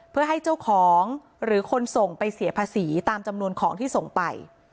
เพื่อให้เจ้าของหรือคนส่งไปเสียภาษีตามจำนวนของที่ส่งไป